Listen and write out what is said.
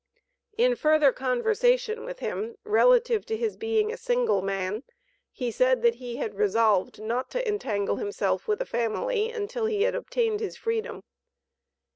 In further conversation with him, relative to his being a single man, he said, that he had resolved not to entangle himself with a family until he had obtained his freedom.